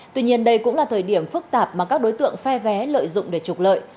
tuy nhiên đây cũng là thời điểm phức tạp mà các đối tượng phe vé lợi dụng để trục lợi